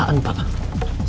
maksud bapak apaan pak